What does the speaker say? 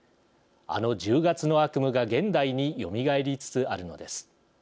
あの１０月の悪夢が現代によみがえりつつあるのです。